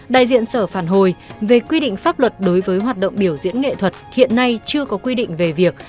đại diện sở phản hồi về quy định pháp luật đối với hoạt động biểu diễn nghệ thuật hiện nay chưa có quy định về việc